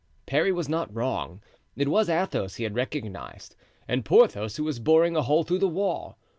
Parry was not wrong. It was Athos he had recognized, and Porthos who was boring a hole through the wall.